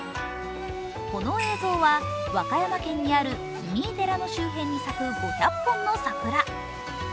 この映像は和歌山県にある紀三井寺の周辺に咲く５００本の桜。